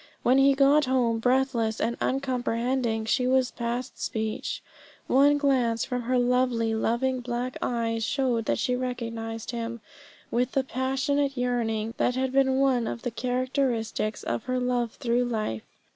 When he got home breathless and uncomprehending, she was past speech. One glance from her lovely loving black eyes showed that she recognised him with the passionate yearning that had been one of the characteristics of her love through life.